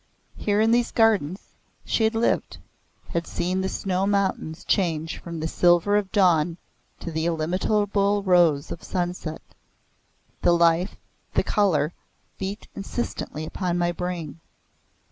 Here in these gardens she had lived had seen the snow mountains change from the silver of dawn to the illimitable rose of sunset. The life, the colour beat insistently upon my brain.